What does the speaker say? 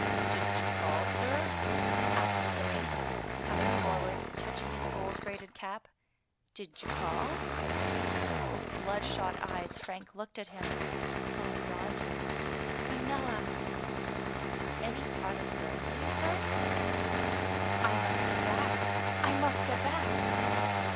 "Did you call, sir? asked the mate, coming forward, touching his gold braided cap ; "did you call?*' With blood shot eyes Frank looked at him, saw beyond him :" Fenella." " Any part of Guernsey, sir ?"I must get back, I must get back."